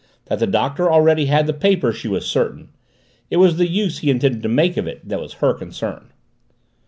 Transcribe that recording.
That the Doctor already had the paper she was certain; it was the use he intended to make of it that was her concern.